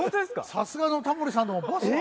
さすがのタモリさんでもバスは。